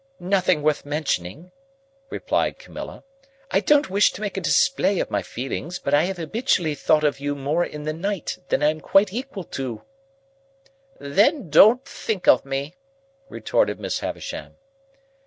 "Nothing worth mentioning," replied Camilla. "I don't wish to make a display of my feelings, but I have habitually thought of you more in the night than I am quite equal to." "Then don't think of me," retorted Miss Havisham.